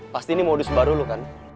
pasti ini modus baru lu kan